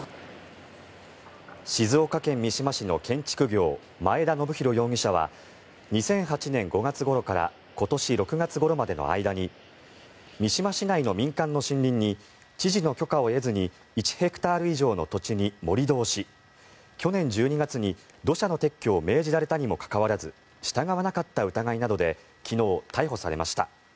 静岡県三島市の建築業前田延博容疑者は２００８年５月ごろから今年６月ごろまでの間に三島市内の民間の森林に知事の許可を得ずに１ヘクタール以上の土地に盛り土をし去年１２月に土砂の撤去を命じられたにもかかわらず従わなかった疑いなどで昨日、逮捕されました。